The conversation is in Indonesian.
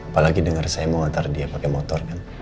apalagi dengar saya mau ngantar dia pakai motor kan